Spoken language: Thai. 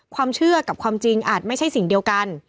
ความเชื่อกับความจริงอาจไม่ใช่สิ่งเดียวกัน